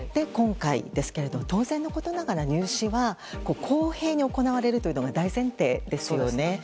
今回ですが、当然のことながら入試は公平に行われるというのが大前提ですよね。